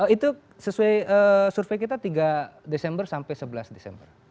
itu sesuai survei kita tiga desember sampai sebelas desember